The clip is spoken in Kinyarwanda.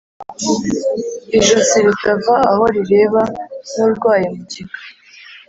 ijosi ritava aho rireba nk'urwaye mugiga!